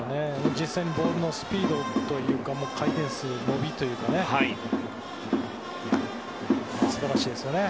実際にボールのスピードというか回転数、伸びというのが素晴らしいですよね。